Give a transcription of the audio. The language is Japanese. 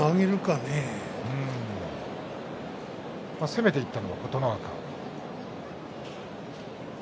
攻めていったのは琴ノ若。